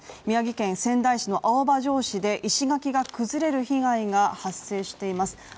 宮城県仙台市の青葉城址で石垣が崩れる被害が発生しています